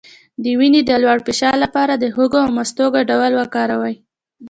د وینې د لوړ فشار لپاره د هوږې او مستو ګډول وکاروئ